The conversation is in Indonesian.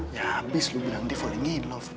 ya abis lu bilang dia falling in love